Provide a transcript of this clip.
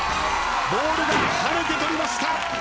ボールが跳ねて取りました。